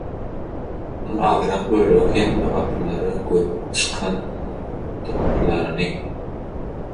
ondan azyrak bölegi hemme gapylary görüp çykandyklaryny